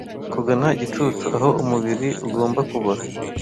kugana igicucu aho umubiri ugomba kubora